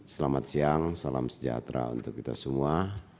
selamat siang salam sejahtera untuk kita semua